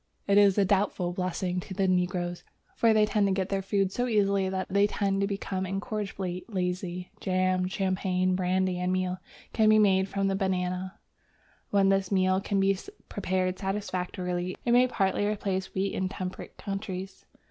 It is a doubtful blessing to the negroes, for they get their food so easily that they tend to become incorrigibly lazy. Jam, champagne, brandy, and meal can be made from the banana. When this meal can be prepared satisfactorily, it may partly replace wheat in temperate countries.